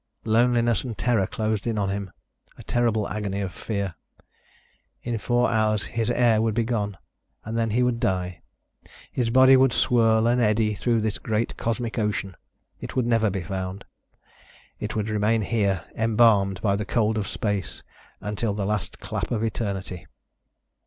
Loneliness and terror closed in on him, a terrible agony of fear. In four hours his air would be gone and then he would die! His body would swirl and eddy through this great cosmic ocean. It would never be found. It would remain here, embalmed by the cold of space, until the last clap of eternity.